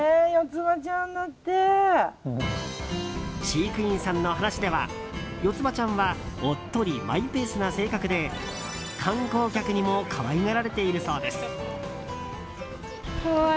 飼育員さんの話ではヨツバちゃんはおっとりマイペースな性格で観光客にも可愛がられているそうです。